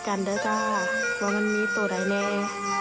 ไม่ใต้กันแล้วว่ามันมีตัวใดแน่